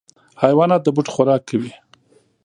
حیوانات د بوټو خوراک کوي.